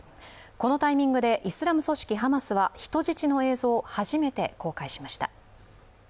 このタイミングでイスラム組織ハマスは人質の映像を初めて公開しました。